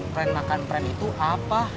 pren makan pren itu apa